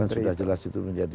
sudah jelas itu menjadi